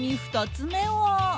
２つ目は。